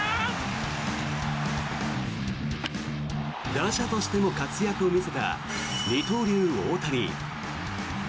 打者としても活躍を見せた二刀流・大谷。